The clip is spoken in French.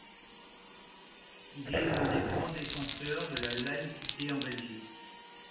Il est l'un des grands défenseurs de la laïcité en Belgique.